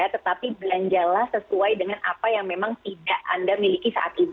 tetapi belanjalah sesuai dengan apa yang memang tidak anda miliki saat ini